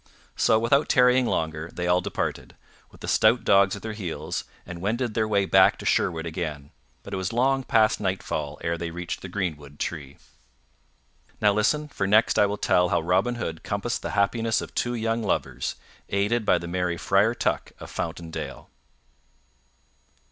So, without tarrying longer, they all departed, with the stout dogs at their heels, and wended their way back to Sherwood again; but it was long past nightfall ere they reached the greenwood tree. Now listen, for next I will tell how Robin Hood compassed the happiness of two young lovers, aided by the merry Friar Tuck of Fountain Dale.